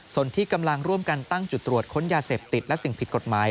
ส่วนที่กำลังร่วมกันตั้งจุดตรวจค้นยาเสพติดและสิ่งผิดกฎหมาย